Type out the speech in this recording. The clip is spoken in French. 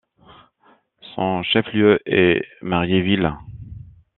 Son chef-lieu est Marieville.